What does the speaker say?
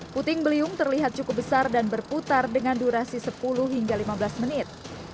puting beliung terlihat cukup besar dan berputar dengan durasi sepuluh hingga lima belas menit